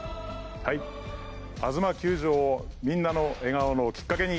あづま球場をみんなの笑顔のきっかけに！